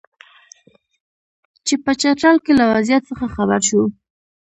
چې په چترال کې له وضعیت څخه خبر شو.